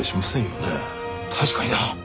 確かにな。